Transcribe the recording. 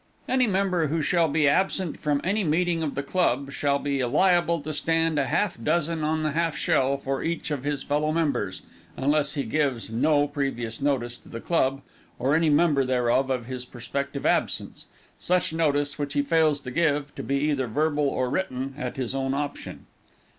Any member who shall be absent from any meeting of the club, shall be liable to stand a half dozen on the half shell for each of his fellow members, unless he gives no previous notice to the club, or any member thereof, of his prospective absence. Such notice, which he fails to give, to be either verbal or written, at his own option.